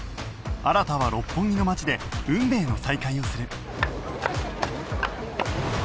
新は六本木の街で運命の再会をする